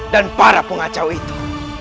dan para punggawa itu